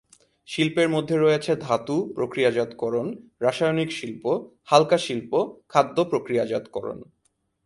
শিল্পের মধ্যে রয়েছে ধাতু প্রক্রিয়াজাতকরণ, রাসায়নিক শিল্প, হালকা শিল্প, খাদ্য প্রক্রিয়াজাতকরণ।